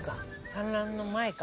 産卵の前か。